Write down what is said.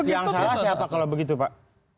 yang salah siapa kalau begitu pak